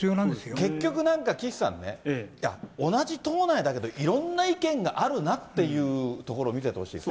結局なんか岸さんね、同じ党内だけど、いろんな意見があるなっていうところを見てほしいです